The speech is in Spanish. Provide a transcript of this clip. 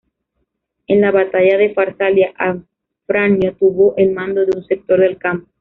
En la batalla de Farsalia Afranio tuvo el mando de un sector del campo.